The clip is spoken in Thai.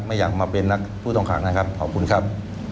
ไม่อยากมาเป็นนักผู้ต้องขังนะครับขอบคุณครับ